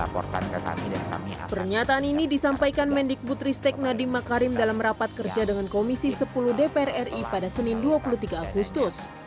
pernyataan ini disampaikan mendikbud ristek nadiem makarim dalam rapat kerja dengan komisi sepuluh dpr ri pada senin dua puluh tiga agustus